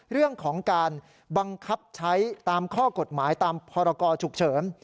เรื่องของการบังคับใช้ตามข้อกฎหมายตามพคฉ